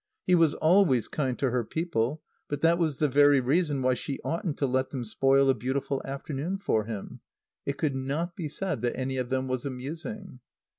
He was always kind to her people, but that was the very reason why she oughtn't to let them spoil a beautiful afternoon for him. It could not be said that any of them was amusing.